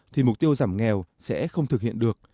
thì mục tiêu giảm nghèo sẽ không thực hiện được